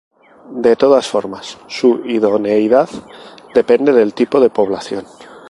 De todas formas su idoneidad depende del tipo de población.